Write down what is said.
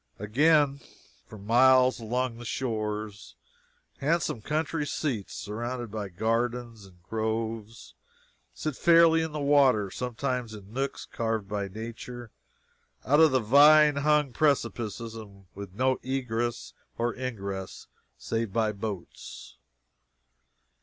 Again, for miles along the shores, handsome country seats, surrounded by gardens and groves, sit fairly in the water, sometimes in nooks carved by Nature out of the vine hung precipices, and with no ingress or egress save by boats.